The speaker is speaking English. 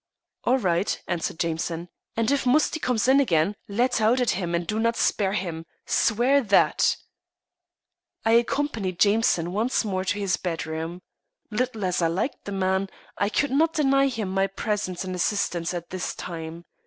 "All right," answered Jameson. "And if Musty comes in again, let out at him and do not spare him. Swear that." I accompanied Jameson once more to his bedroom, Little as I liked the man, I could not deny him my presence and assistance at this time.